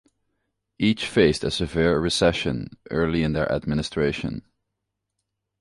Each faced a severe recession early in their administration.